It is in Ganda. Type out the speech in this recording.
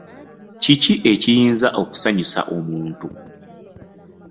Kiki ekiyinza okusanyusa omuntu?